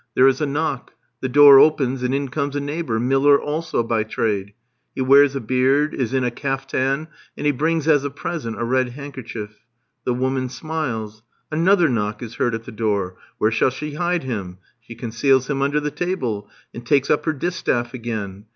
There is a knock; the door opens, and in comes a neighbour, miller also by trade. He wears a beard, is in a kuftan, and he brings as a present a red handkerchief. The woman smiles. Another knock is heard at the door. Where shall she hide him? She conceals him under the table, and takes up her distaff again.